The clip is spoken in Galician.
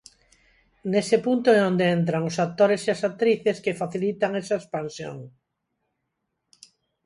Nese punto é onde entran os actores e as actrices que facilitan esa expansión.